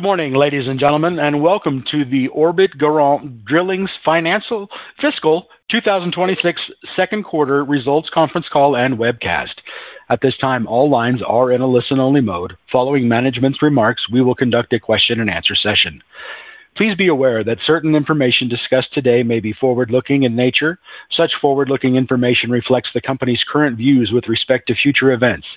Morning, ladies and gentlemen, and welcome to the Orbit Garant Drilling's Fiscal 2026 Second Quarter Results Conference Call and Webcast. At this time, all lines are in a listen-only mode. Following management's remarks, we will conduct a Q&A session. Please be aware that certain information discussed today may be forward-looking in nature. Such forward-looking information reflects the company's current views with respect to future events.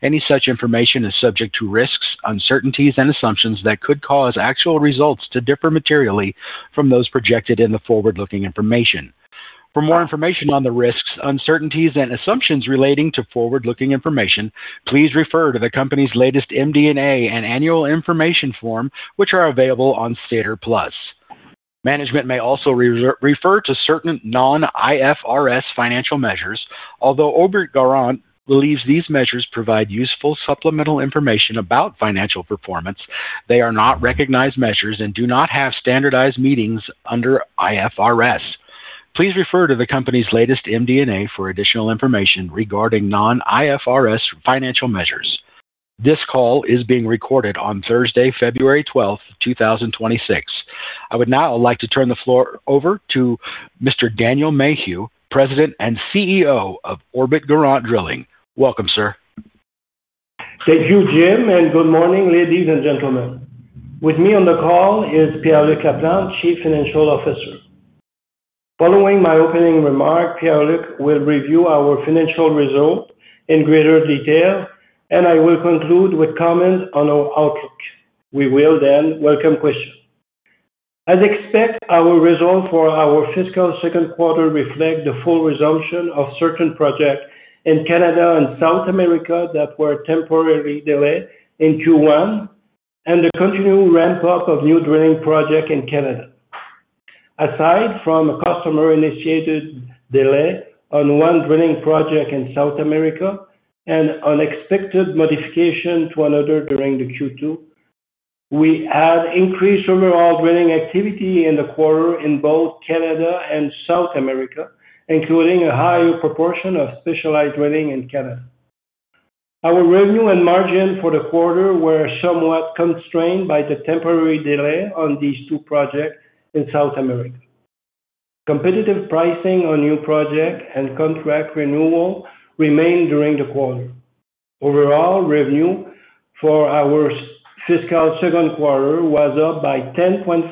Any such information is subject to risks, uncertainties, and assumptions that could cause actual results to differ materially from those projected in the forward-looking information. For more information on the risks, uncertainties, and assumptions relating to forward-looking information Please refer to the company's latest MD&A and annual information form, which are available on SEDAR+. Management may also refer to certain non-IFRS financial measures. Although Orbit Garant believes these measures provide useful supplemental information about financial performance, they are not recognized measures and do not have standardized meanings under IFRS. Please refer to the company's latest MD&A for additional information regarding non-IFRS financial measures. This call is being recorded on Thursday, 12 February 2026. I would now like to turn the floor over to Mr. Daniel Maheu, President and CEO of Orbit Garant Drilling. Welcome, sir. Thank you, Jim, and good morning, ladies and gentlemen. With me on the call is Pier-Luc Laplante, Chief Financial Officer. Following my opening remark, Pier-Luc will review our financial results in greater detail, and I will conclude with comments on our outlook. We will then welcome questions. As expected, our results for our fiscal second quarter reflect the full resumption of certain projects in Canada and South America that were temporarily delayed in Q1 and the continued ramp-up of new drilling projects in Canada. Aside from a customer-initiated delay on one drilling project in South America and unexpected modification to another during the Q2, we had increased overall drilling activity in the quarter in both Canada and South America, including a higher proportion of specialized drilling in Canada. Our revenue and margin for the quarter were somewhat constrained by the temporary delay on these two projects in South America. Competitive pricing on new project and contract renewal remained during the quarter. Overall, revenue for our fiscal second quarter was up by 10.5%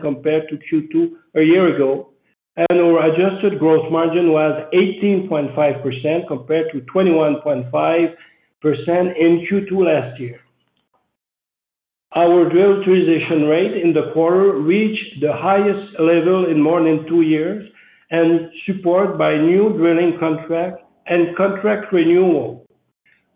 compared to Q2 a year ago, and our adjusted gross margin was 18.5%, compared to 21.5% in Q2 last year. Our drill utilization rate in the quarter reached the highest level in more than two years and support by new drilling contract and contract renewal.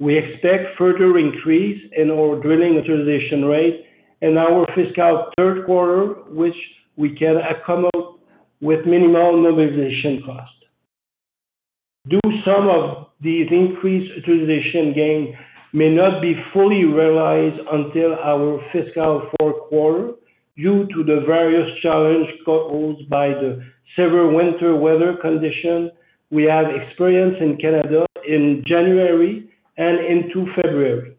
We expect further increase in our drilling utilization rate in our fiscal third quarter, which we can come up with minimal mobilization cost. Do some of these increased utilization gain may not be fully realized until our fiscal fourth quarter due to the various challenges caused by the severe winter weather conditions we have experienced in Canada in January and into February.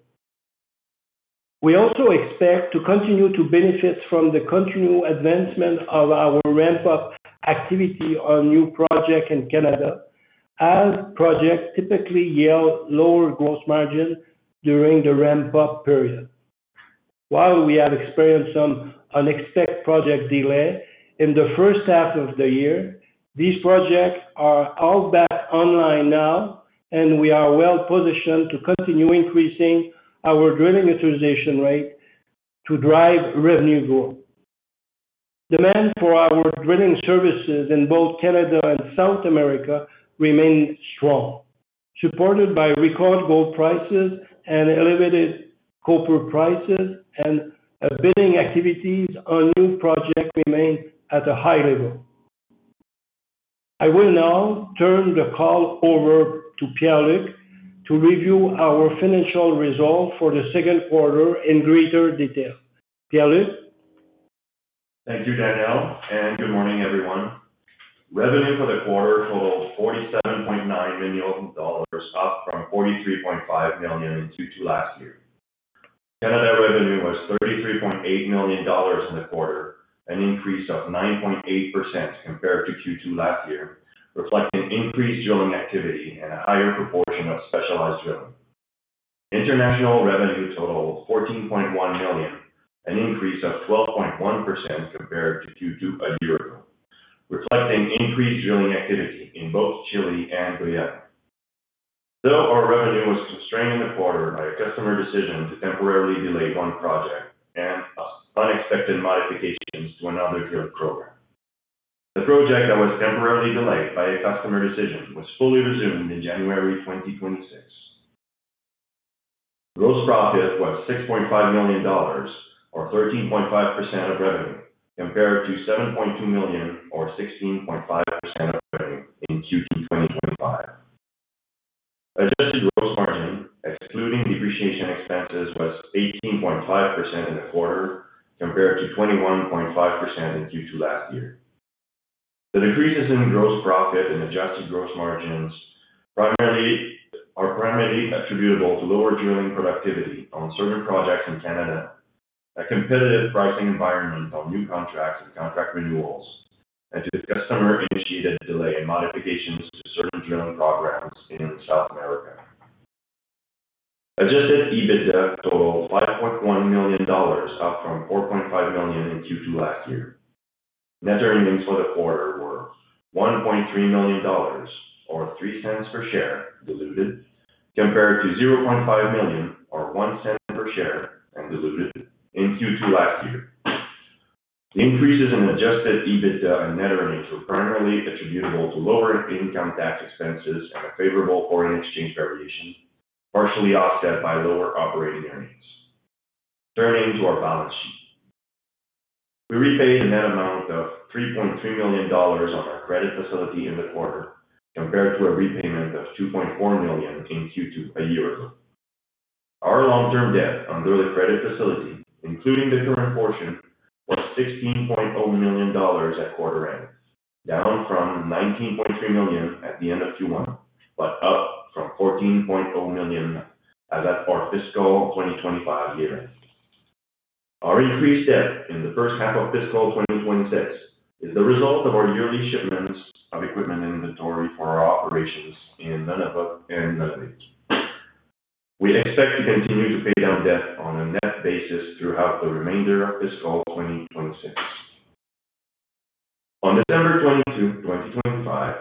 We also expect to continue to benefit from the continued advancement of our ramp-up activity on new projects in Canada, as projects typically yield lower gross margin during the ramp-up period. While we have experienced some unexpected project delay in the first half of the year, these projects are all back online now, and we are well positioned to continue increasing our drilling utilization rate to drive revenue growth. Demand for our drilling services in both Canada and South America remains strong, supported by record gold prices and elevated copper prices, and billing activities on new projects remain at a high level. I will now turn the call over to Pier-Luc to review our financial results for the second quarter in greater detail. Pier-Luc? Thank you, Daniel, and good morning, everyone. Revenue for the quarter totaled 47.9 million dollars, up from 43.5 million in Q2 last year. Canada revenue was 33.8 million dollars in the quarter, an increase of 9.8% compared to Q2 last year, reflecting increased drilling activity and a higher proportion of specialized drilling. International revenue totaled 14.1 million, an increase of 12.1% compared to Q2 a year ago, reflecting increased drilling activity in both Chile and Guyana. Though our revenue was constrained in the quarter by a customer decision to temporarily delay one project and unexpected modifications to another drill program, the project that was temporarily delayed by a customer decision was fully resumed in January 2026. Gross profit was 6.5 million dollars, or 13.5% of revenue, compared to 7.2 million, or 16.5% of revenue in Q2 2025. Adjusted gross margin, excluding depreciation expenses, was 18.5% in the quarter, compared to 21.5% in Q2 last year. The decreases in gross profit and adjusted gross margins are primarily attributable to lower drilling productivity on certain projects in Canada, a competitive pricing environment on new contracts and contract renewals, and to customer-initiated delay and modifications to certain drilling programs in South America. Adjusted EBITDA totaled 5.1 million dollars, up from 4.5 million in Q2 last year. Net earnings for the quarter were 1.3 million dollars, or 0.03 per share diluted, compared to 0.5 million or 0.01 per share and diluted in Q2 last year. Increases in Adjusted EBITDA and net earnings were primarily attributable to lower income tax expenses and a favorable foreign exchange variation, partially offset by lower operating earnings. Turning to our balance sheet. We repaid a net amount of 3.3 million dollars on our credit facility in the quarter, compared to a repayment of 2.4 million in Q2 a year ago. Our long-term debt under the credit facility, including the current portion, was 16.0 million dollars at quarter end, down from 19.3 million at the end of Q1, but up from 14.0 million as at our fiscal 2025 year end. Our increased debt in the first half of fiscal 2026 is the result of our yearly shipments of equipment and inventory for our operations in Nunavut and Nunavik. We expect to continue to pay down debt on a net basis throughout the remainder of fiscal 2026. On December 22, 2025,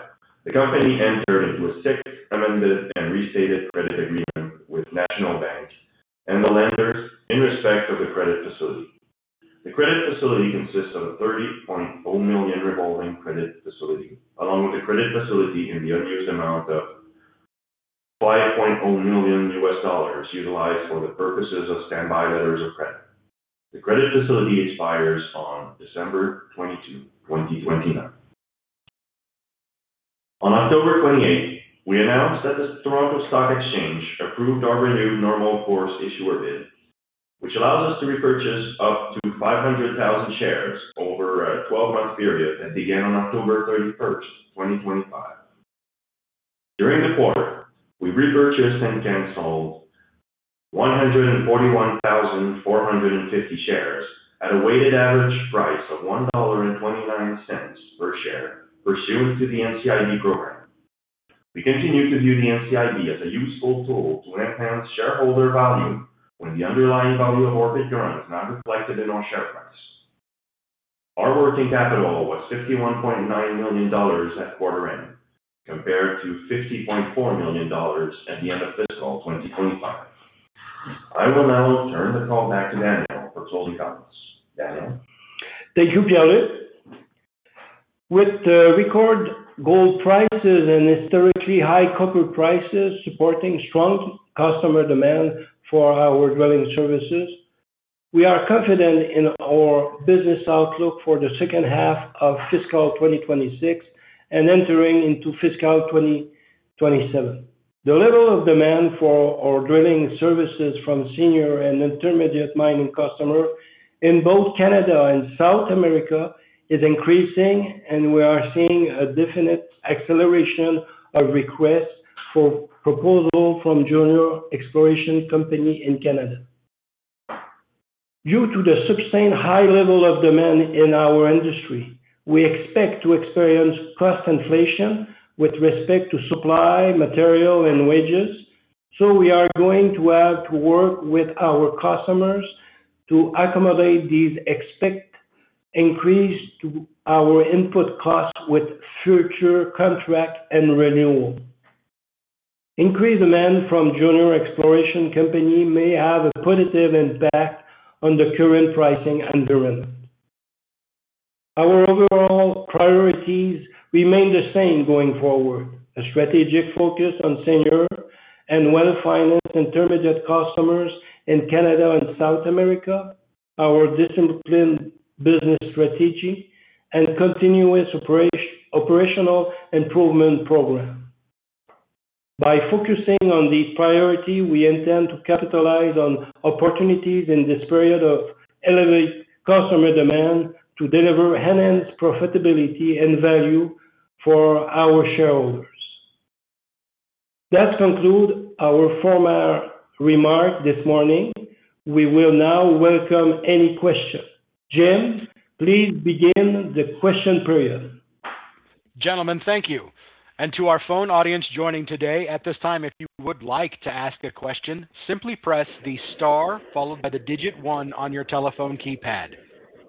the company entered into a sixth amended and restated credit agreement with National Bank and the lenders in respect of the credit facility. The credit facility consists of a 30.0 million revolving credit facility, along with a credit facility in the unused amount of $5.0 million, utilized for the purposes of standby letters of credit. The credit facility expires on December 22, 2029. On October 28, we announced that the Toronto Stock Exchange approved our renewed normal course issuer bid, which allows us to repurchase up to 500,000 shares over a 12-month period that began on October 31, 2025. During the quarter, we repurchased and canceled 141,450 shares at a weighted average price of 1.29 dollar per share, pursuant to the NCIB program. We continue to view the NCIB as a useful tool to enhance shareholder value when the underlying value of Orbit Garant is not reflected in our share price. Our working capital was 51.9 million dollars at quarter end, compared to 50.4 million dollars at the end of fiscal 2025. I will now turn the call back to Daniel for closing comments. Daniel? Thank you, Pier-Luc. With the record gold prices and historically high copper prices supporting strong customer demand for our drilling services, we are confident in our business outlook for the second half of fiscal 2026 and entering into fiscal 2027. The level of demand for our drilling services from senior and intermediate mining customers in both Canada and South America is increasing, and we are seeing a definite acceleration of requests for proposal from junior exploration company in Canada. Due to the sustained high level of demand in our industry, we expect to experience cost inflation with respect to supply, material, and wages. So we are going to have to work with our customers to accommodate these expect increase to our input costs with future contract and renewal. Increased demand from junior exploration company may have a positive impact on the current pricing environment. Our overall priorities remain the same going forward: a strategic focus on senior and well-financed intermediate customers in Canada and South America, our disciplined business strategy, and continuous operational improvement program. By focusing on these priorities, we intend to capitalize on opportunities in this period of elevated customer demand to deliver enhanced profitability and value for our shareholders. That concludes our formal remarks this morning. We will now welcome any questions. Jim, please begin the question period. Gentlemen, thank you. To our phone audience joining today, at this time, if you would like to ask a question, simply press the star followed by the digit one on your telephone keypad.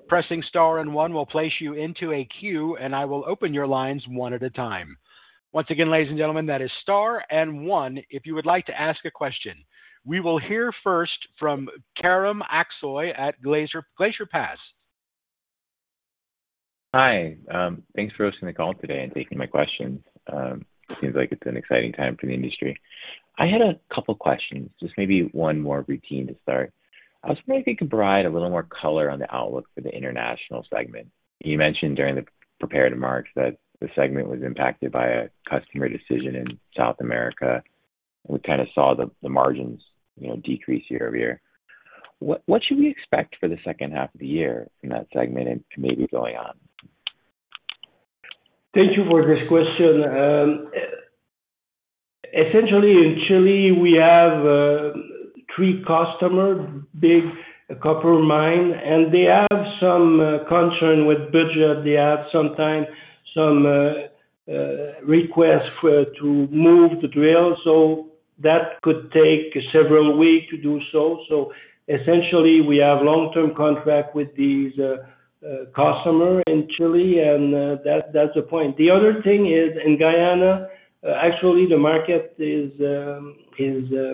Pressing star and one will place you into a queue, and I will open your lines one at a time. Once again, ladies and gentlemen, that is star and one if you would like to ask a question. We will hear first from Kerem Aksoy at Glacier Pass. Hi, thanks for hosting the call today and taking my questions. It seems like it's an exciting time for the industry. I had a couple questions, just maybe one more routine to start. I was wondering if you could provide a little more color on the outlook for the international segment. You mentioned during the prepared remarks that the segment was impacted by a customer decision in South America. We kind of saw the margins, you know, decrease year-over-year. What should we expect for the second half of the year in that segment and maybe going on? Thank you for this question. Essentially, in Chile, we have three customer, big copper mine, and they have some concern with budget. They have sometime some request for to move the drill, so that could take several weeks to do so. So essentially, we have long-term contract with these customer in Chile, and that that's the point. The other thing is, in Guyana, actually, the market is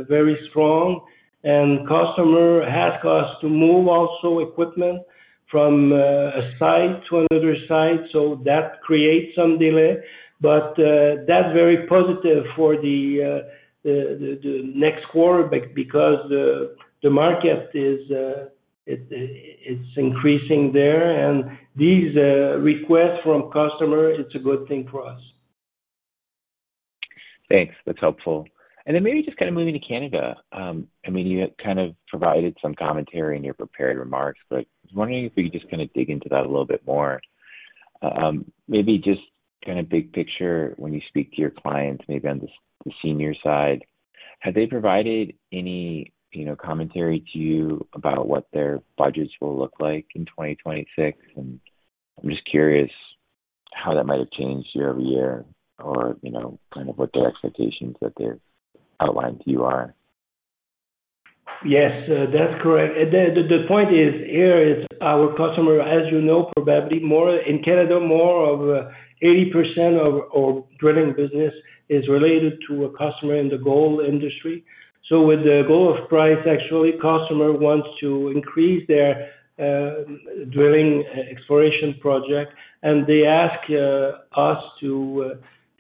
very strong, and customer ask us to move also equipment from a site to another site. So that creates some delay, but that's very positive for the next quarter because the market is it's increasing there. And these requests from customers, it's a good thing for us. Thanks. That's helpful. Then maybe just kinda moving to Canada. I mean, you kind of provided some commentary in your prepared remarks, but I was wondering if you could just kinda dig into that a little bit more. Maybe just kinda big picture, when you speak to your clients, maybe on the senior side, have they provided any, you know, commentary to you about what their budgets will look like in 2026? And I'm just curious how that might have changed year-over-year, or, you know, kind of what their expectations that they've outlined to you are. Yes, that's correct. The point is, here is our customer, as you know, probably more in Canada, more of 80% of drilling business is related to a customer in the gold industry. So with the gold price, actually, customer wants to increase their drilling exploration project, and they ask us to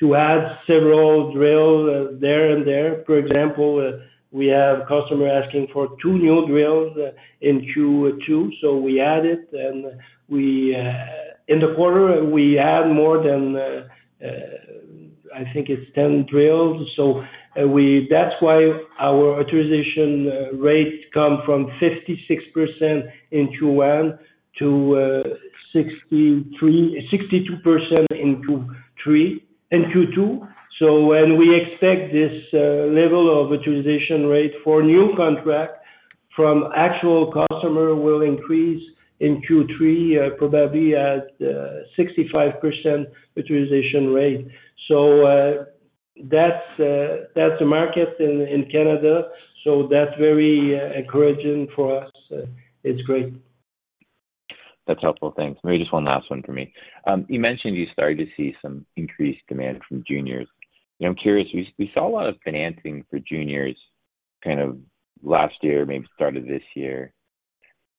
add several drills there and there. For example, we have customer asking for two new drills in Q2, so we add it. And we in the quarter, we add more than, I think it's 10 drills. So we that's why our utilization rate comes from 56% in Q1 to 63%, 62% in Q3, in Q2. So when we expect this level of utilization rate for new contract from actual customer will increase in Q3, probably at 65% utilization rate. So, that's the market in Canada. So that's very encouraging for us. It's great. That's helpful. Thanks. Maybe just one last one for me. You mentioned you started to see some increased demand from juniors. I'm curious. We saw a lot of financing for juniors kind of last year, maybe start of this year.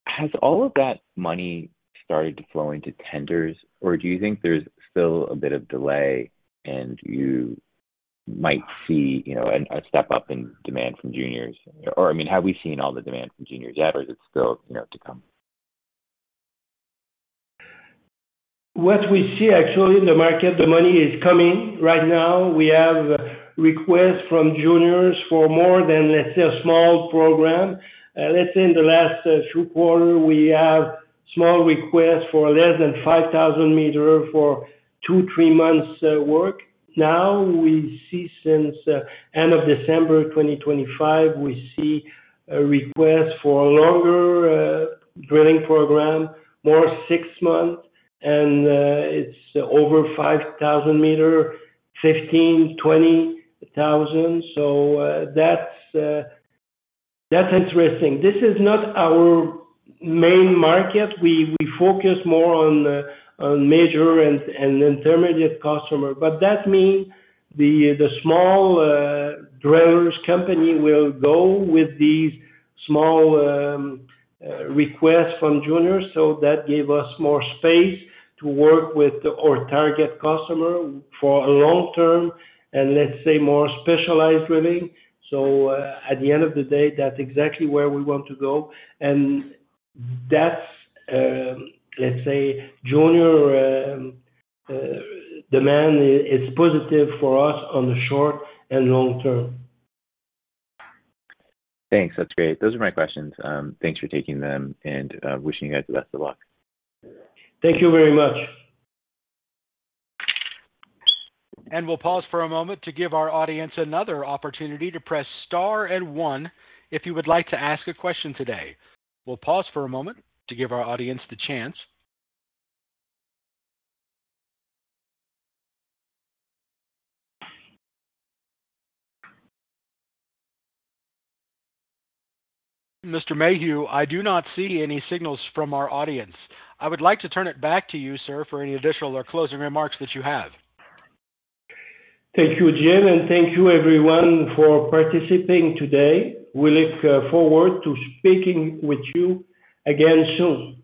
Has all of that money started to flow into tenders, or do you think there's still a bit of delay and you might see, you know, a step up in demand from juniors? Or I mean, have we seen all the demand from juniors yet, or is it still, you know, to come? What we see actually in the market, the money is coming. Right now, we have requests from juniors for more than, let's say, a small program. Let's say in the last two quarters, we have small requests for less than 5,000 meters for two to three months work. Now, we see since end of December 2025, we see a request for a longer drilling program, more six months, and it's over 5,000 meters, 15,000-20,000. So, that's interesting. This is not our main market. We focus more on major and intermediate customer, but that means the small drillers company will go with these small requests from juniors. So that give us more space to work with or target customer for a long term and, let's say, more specialized drilling. So, at the end of the day, that's exactly where we want to go. And that's, let's say, junior, demand is positive for us on the short and long term. Thanks. That's great. Those are my questions. Thanks for taking them, and wishing you guys the best of luck. Thank you very much. We'll pause for a moment to give our audience another opportunity to press star and one if you would like to ask a question today. We'll pause for a moment to give our audience the chance. Mr. Maheu, I do not see any signals from our audience. I would like to turn it back to you, sir, for any additional or closing remarks that you have. Thank you, Jim, and thank you everyone for participating today. We look forward to speaking with you again soon.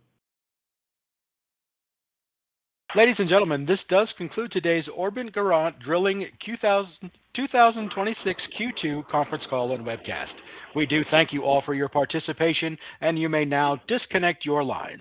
Ladies and gentlemen, this does conclude today's Orbit Garant Drilling 2026 Q2 Conference Call and Webcast. We do thank you all for your participation, and you may now disconnect your lines.